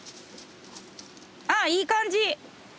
あっいい感じ。